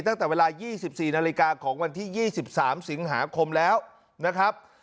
ตั้งแต่เวลา๒๔นาฬิกาของวันที่๒๓สิงหาคมแล้วนะครับ